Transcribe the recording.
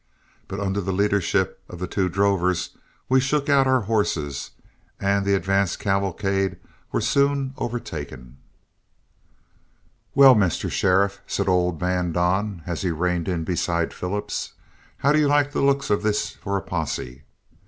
But under the leadership of the two drovers, we shook out our horses, and the advance cavalcade were soon overtaken. "Well, Mr. Sheriff," said old man Don, as he reined in beside Phillips, "how do you like the looks of this for a posse?